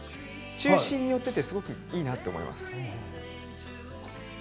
中心に寄っていてすごくいいなと思いますよ。